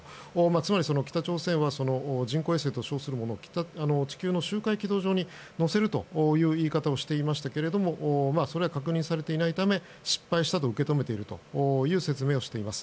つまり北朝鮮は人工衛星と称するものを地球の周回軌道上に乗せるという言い方をしていましたがそれは確認されていないため失敗したと受け止めているという説明をしています。